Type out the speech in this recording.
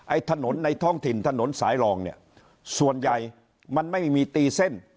ถนนในท้องถิ่นถนนสายรองเนี่ยส่วนใหญ่มันไม่มีตีเส้น